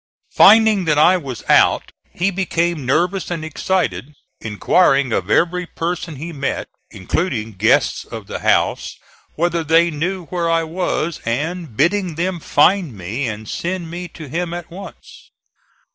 Finding that I was out he became nervous and excited, inquiring of every person he met, including guests of the house, whether they knew where I was, and bidding them find me and send me to him at once.